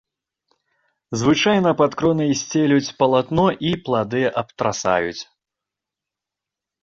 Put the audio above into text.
Звычайна пад кронай сцелюць палатно і плады абтрасаюць.